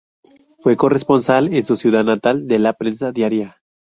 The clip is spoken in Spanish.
Fue corresponsal en su ciudad natal de la prensa diaria.